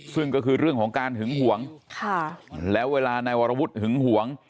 ซึ่งก็คือเรื่องของการหึงหวงแล้วเวลานายวรวุฒิหึงหวง